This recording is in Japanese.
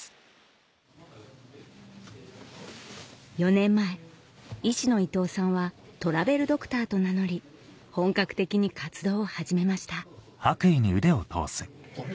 ４年前医師の伊藤さんはトラベルドクターと名乗り本格的に活動を始めましたあれ？